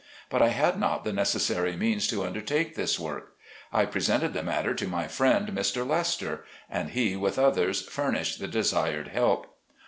But I had not the necessary means to undertake this work. I presented the matter to my friend, Mr. Lester, and he with others furnished the desired help.